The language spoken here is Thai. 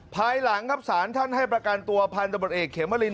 ภายหลังครับสารท่านให้ประกันตัวพันธบทเอกเขมริน